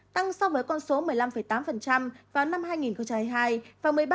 tăng so với con số một mươi năm tám vào năm hai nghìn hai mươi hai và một mươi ba chín vào năm hai nghìn hai mươi